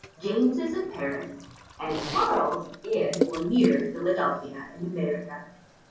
James is in Paris, and Charles in or near Philadelphia in America.